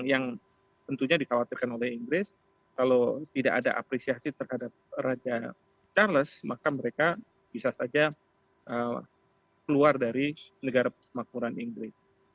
yang tentunya dikhawatirkan oleh inggris kalau tidak ada apresiasi terhadap raja charles maka mereka bisa saja keluar dari negara persemakmuran inggris